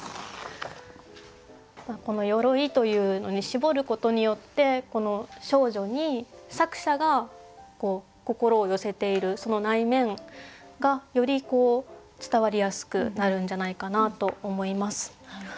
この「鎧」というのに絞ることによってこの少女に作者が心を寄せているその内面がより伝わりやすくなるんじゃないかなと思います。